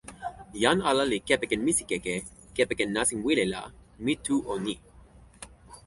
jan ala li kepeken misikeke kepeken nasin wile la, mi tu o ni.